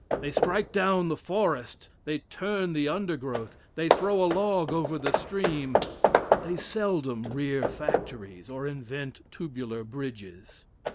They strike down the forest they turn the undergrowth they throw a log over the stream, but they seldom rear factories, or invent tubular bridges.